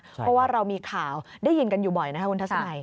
เพราะว่าเรามีข่าวได้ยินกันอยู่บ่อยนะครับคุณทัศนัย